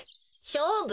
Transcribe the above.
しょうぶ？